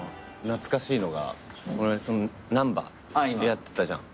懐かしいのが俺『ナンバ』やってたじゃん。